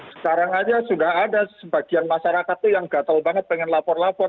sekarang aja sudah ada sebagian masyarakat itu yang gatel banget pengen lapor lapor